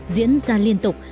diễn ra liên tục